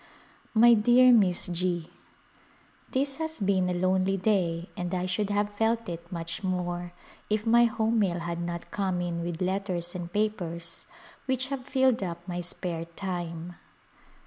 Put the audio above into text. My dear Miss G : This has been a lonely day and I should have felt it much more if my home mail had not come in with letters and papers which have filled up my spare time.